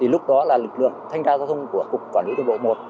lúc đó là lực lượng thanh trao giao thông của cục quản lý đồng bộ một